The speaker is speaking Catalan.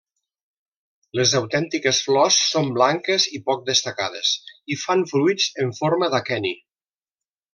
Les autèntiques flors són blanques i poc destacades i fan fruits en forma d'aqueni.